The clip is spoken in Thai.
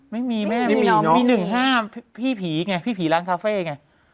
ไม่มีแม่ไม่มีน้องมีหนึ่งห้าพี่ผีไงพี่ผีร้านทาเฟ่ไง